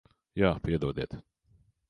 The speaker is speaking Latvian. Jā. Piedodiet.